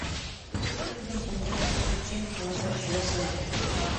Кушто тудым ондакше кучен, каласаш йӧсӧ ыле.